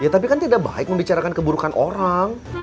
tapi kan tidak baik membicarakan keburukan orang